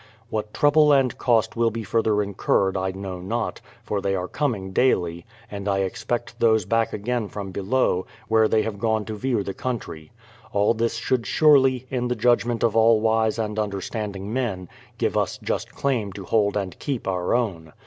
What trouble and cost will be further incurred I know not, for they are coming daily, and I expect those back again from below, where they have gone to view the country. All this should surely, in the judgment of all wise and understanding men, give us just claim to hold and keep our own.